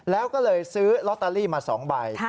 แล้วก็เลยซื้อลอตเตอรี่มา๒ใบ